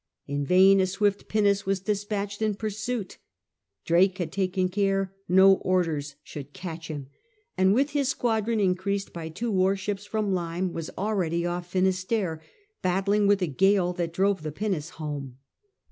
In vain a swift pinnace was despatched in pursuit; Drake had taken care no orders should catch him, and with his squadron increased by two war ships from L3ane, was already off Finisterre, battling with a gale which drove the pinnace home.